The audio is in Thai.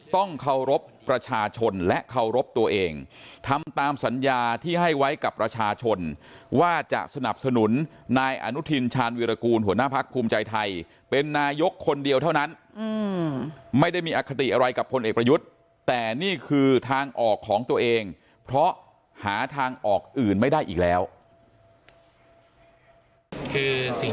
ต้องเคารพประชาชนและเคารพตัวเองทำตามสัญญาที่ให้ไว้กับประชาชนว่าจะสนับสนุนนายอนุทินชาญวิรากูลหัวหน้าพักภูมิใจไทยเป็นนายกคนเดียวเท่านั้นไม่ได้มีอคติอะไรกับพลเอกประยุทธ์แต่นี่คือทางออกของตัวเองเพราะหาทางออกอื่นไม่ได้อีกแล้ว